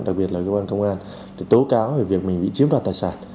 đặc biệt là cơ quan công an để tố cáo về việc mình bị chiếm đoạt tài sản